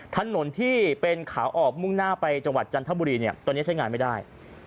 ถนนที่เป็นขาออกมุ่งหน้าไปจังหวัดจันทบุรีเนี่ยตอนนี้ใช้งานไม่ได้